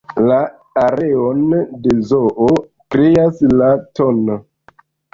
La areon de zoo kreas la tn.